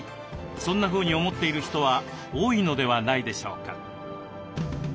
そんなふうに思っている人は多いのではないでしょうか。